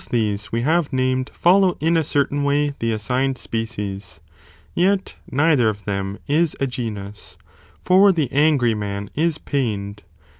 these we have named follow in a certain way the assigned species, yet neither of them is a genus, for the angry man is pained